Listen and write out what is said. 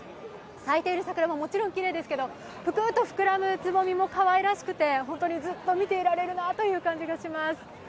咲いている桜ももちろんきれいですけれども、ぷくーと膨らむつぼみもかわいらしくて本当にずっと見られるなという感じがします。